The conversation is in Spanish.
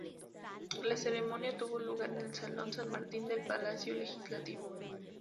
La ceremonia tuvo lugar en el salón San Martín del palacio legislativo.